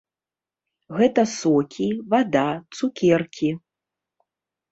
Гэта сокі, вада, цукеркі.